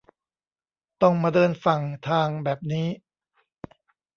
ต้องมาเดินฝั่ง 'ทาง'แบบนี้